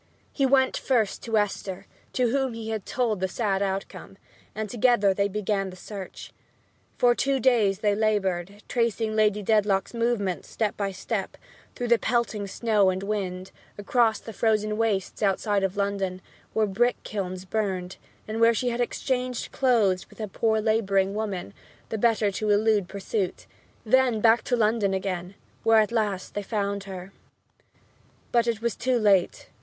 He went first to Esther, to whom he told the sad outcome, and together they began the search. For two days they labored, tracing Lady Dedlock's movements step by step, through the pelting snow and wind, across the frozen wastes outside of London, where brick kilns burned and where she had exchanged clothes with a poor laboring woman, the better to elude pursuit then back to London again, where at last they found her. But it was too late.